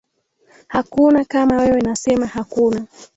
Hakuna kama wewe nasema hakuna.